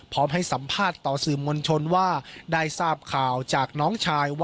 พร้อมให้สัมภาษณ์ต่อสื่อมวลชนว่าได้ทราบข่าวจากน้องชายว่า